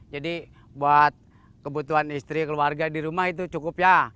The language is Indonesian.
jadi buat kebutuhan istri keluarga di rumah itu cukup ya